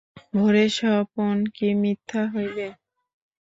ভোরের স্বপন কি মিথ্যা হইবে।